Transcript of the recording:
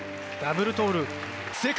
ダブルトーループ。